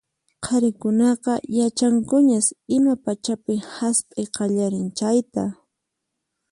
Qharikunaqa yachankuñas ima pachapin hasp'iy qallarin chayta.